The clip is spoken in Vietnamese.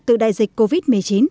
từ đại dịch covid một mươi chín